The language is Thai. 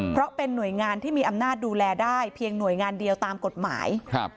เพราะเป็นหน่วยงานที่มีอำนาจดูแลได้เพียงหน่วยงานเดียวตามกฎหมาย